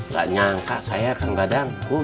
gak nyangka saya akan gak dangkul